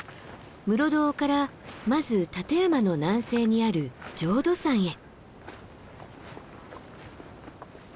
室堂からまず立山の南西にある浄土山へ。